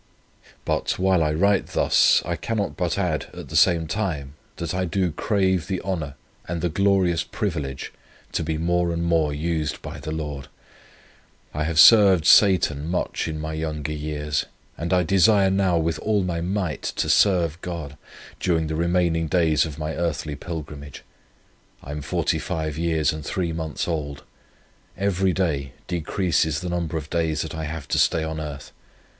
But, while I write thus, I cannot but add at the same time, that I do crave the honour and the glorious privilege to be more and more used by the Lord. I have served Satan much in my younger years, and I desire now with all my might to serve God, during the remaining days of my earthly pilgrimage. I am forty five years and three months old. Every day decreases the number of days that I have to stay on earth.